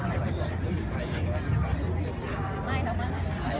แม่กับผู้วิทยาลัย